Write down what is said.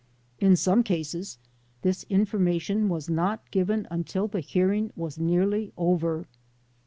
In some cases this information was not given until the hearing was nearly over.